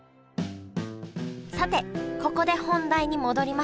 さてここで本題に戻りましょう戻ろう。